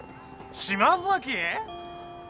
島崎？